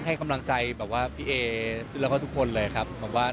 ให้กำลังใจแบบว่าพี่เอแล้วก็ทุกคนเลยครับบอกว่า